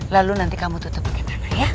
lalu nanti kamu tutup bagaimana ya